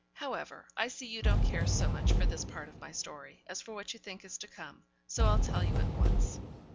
However, I see you don't care so much for this part of my story, as for what you think is to come, so I'll tell you at once.